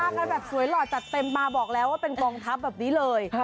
มาครับมาฮะแบบสวยหลอดจากเพ็มมาบอกแล้วว่าเป็นกองทัพแบบนี้เลย